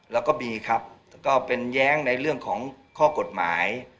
แล้วก็มีครับก็เป็นแย้งในเรื่องของข้อกฎหมาย